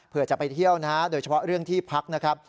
เพื่อจะไปเที่ยวนะฮะโดยเฉพาะเรื่องที่พักนะครับ